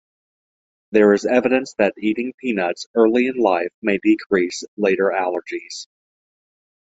There is evidence that eating peanuts early in life may decrease later allergies.